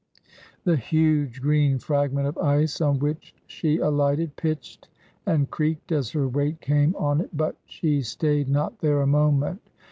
" The huge green fragment of ice on which she alighted pitched and creaked as her weight came on it, but she stayed not there a moment.